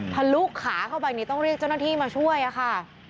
ลุขาเข้าไปนี่ต้องเรียกเจ้าหน้าที่มาช่วยค่ะ